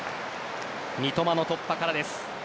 三笘の突破からです。